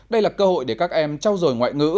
đây là cơ hội để các em trao dồi ngoại ngữ